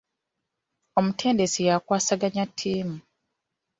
Omutendesi yakwasaganya ttiimu.